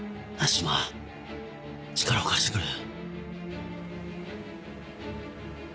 志摩力を貸してくれ。